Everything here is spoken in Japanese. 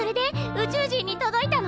宇宙人に届いたの？